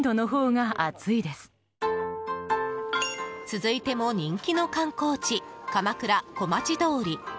続いても人気の観光地鎌倉・小町通り。